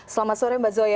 selamat sore mbak zoya